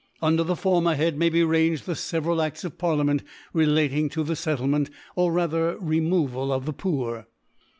Under the former Head may be ranged the feveral Ads of Parliament relating to the Settle ment, or rather Removal of the Poor.